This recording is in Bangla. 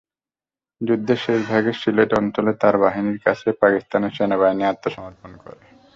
যুদ্ধের শেষ ভাগে সিলেট অঞ্চলে তাঁর বাহিনীর কাছেই পাকিস্তানি সেনাবাহিনী আত্মসমর্পণ করে।